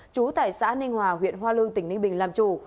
trú tại xã ninh hòa huyện hoa lương tỉnh ninh bình làm chủ